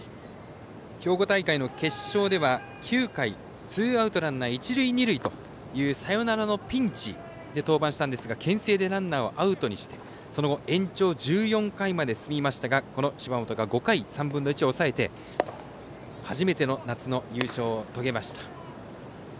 兵庫大会の決勝では９回ツーアウト、ランナー一塁二塁というサヨナラのピンチで登板したんですがけん制でランナーをアウトにしてその後、延長１４回まで過ぎましたがこの芝本、５回３分の１を抑えて初めての夏の優勝を遂げました。